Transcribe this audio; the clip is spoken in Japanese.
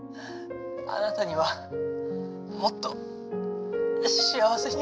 あなたにはもっと幸せに。